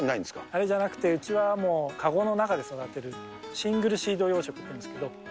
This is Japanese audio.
あれじゃなくて、うちは籠の中で育てるシングルシード養殖っていうんですけど。